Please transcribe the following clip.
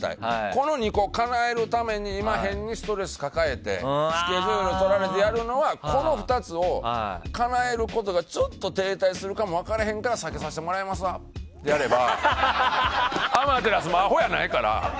この２個をかなえるために今、変にストレス抱えてスケジュール取られてやるのはこの２つをかなえることが停滞するかもしれないから避けさせてもらえますとやれば天照もアホじゃないから。